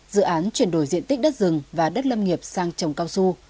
dự án chuyển đổi diện tích đất rừng và đất lâm nghiệp sang trồng cao su